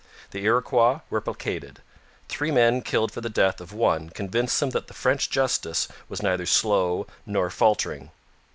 The Iroquois were placated; three men killed for the death of one convinced them that French justice was neither slow nor faltering.